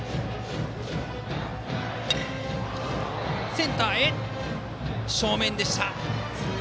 センター正面でした。